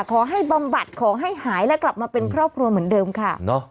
บำบัดขอให้หายและกลับมาเป็นครอบครัวเหมือนเดิมค่ะ